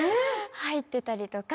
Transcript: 入ってたりとか。